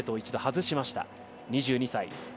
２２歳。